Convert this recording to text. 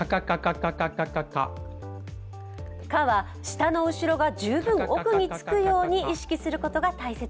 「カ」は舌の後ろが十分奥につくように意識することが大切。